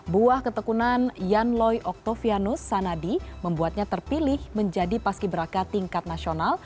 buah ketekunan yanloi octavianus sanadi membuatnya terpilih menjadi paskiberaka tingkat nasional